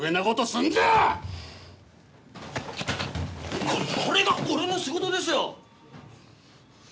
これが俺の仕事ですよ。